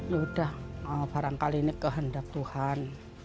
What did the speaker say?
ya udah barangkali ini kehendak tuhan